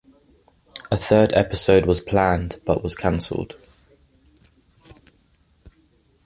A third episode was planned, but was canceled.